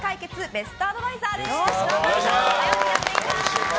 ベストアドバイザーです。